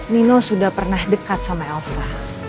nino sudah pernah dekat sama elsa